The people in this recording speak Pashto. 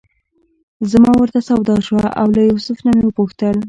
زما ورته سودا شوه او له یوسف نه مې وپوښتل.